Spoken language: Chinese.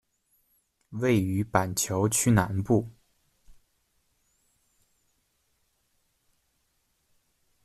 位于板桥区南部。